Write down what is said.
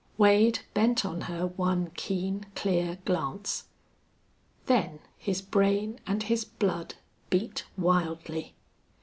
Wade bent on her one keen, clear glance. Then his brain and his blood beat wildly.